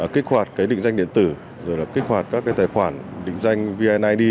kích hoạt định danh điện tử kích hoạt các tài khoản định danh vnid